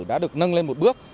đã được nâng lên một bước